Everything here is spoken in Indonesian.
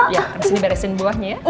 ya disini beresin buahnya ya